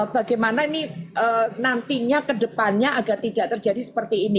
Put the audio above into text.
bagaimana ini nantinya kedepannya agar tidak terjadi seperti ini